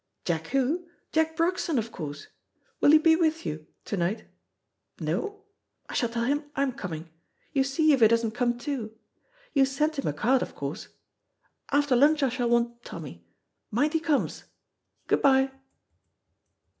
Jack who?' Jack Broxton, of course. Will he be with, you to night? No? I shall tell him I'm coming. You see if he doesn't come too. You sent him a card, of course. After lunch I shall want Tommy. Mind he comes. Good bye."